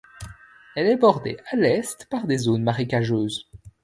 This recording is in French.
Elle est bordée à l’Est par des zones marécageuses.